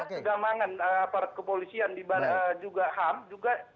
dan kejamangan aparat kepolisian juga ham juga